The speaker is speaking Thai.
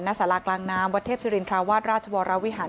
สารากลางน้ำวัดเทพศิรินทราวาสราชวรวิหาร